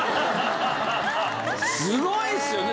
すごいですよね